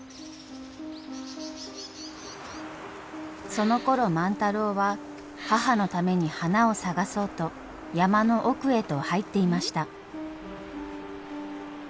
そのころ万太郎は母のために花を探そうと山の奥へと入っていました。